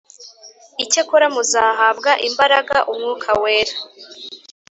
Icyakora muzahabwa imbaraga Umwuka Wera